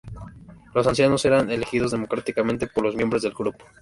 Los ancianos eran elegidos democráticamente por los miembros del grupo.